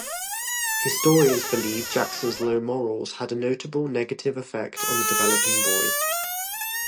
Historians believe Jackson's low morals had a notable negative effect on the developing boy.